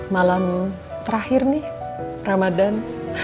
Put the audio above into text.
malam terakhir nih ramadhan